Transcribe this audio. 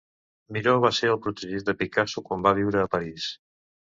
Miró va ser el protegit de Picasso quan va viure a París.